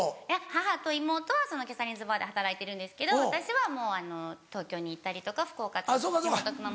母と妹はその「キャサリン’ｓＢＡＲ」で働いてるんですけど私はもう東京に行ったりとか福岡とか地元熊本で。